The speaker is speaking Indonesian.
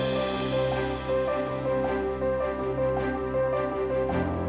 saya saya ada basi bener bener ada